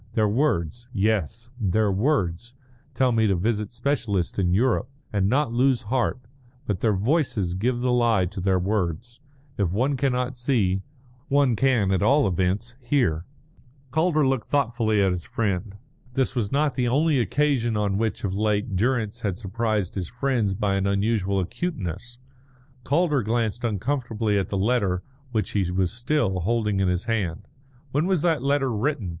Their words yes their words tell me to visit specialists in Europe, and not lose heart, but their voices give the lie to their words. If one cannot see, one can at all events hear." Calder looked thoughtfully at his friend. This was not the only occasion on which of late Durrance had surprised his friends by an unusual acuteness. Calder glanced uncomfortably at the letter which he was still holding in his hand. "When was that letter written?"